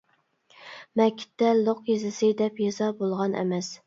مەكىتتە لوق يېزىسى دەپ يېزا بولغان ئەمەس!